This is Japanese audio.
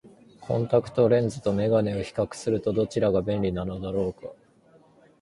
コンタクトレンズと眼鏡とを比較すると、どちらが便利なのだろうか。